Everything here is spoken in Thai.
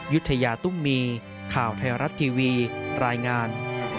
ยุธยาตุ้มมีข่าวไทยรัฐทีวีรายงาน